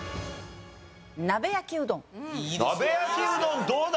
鍋焼きうどんどうだ？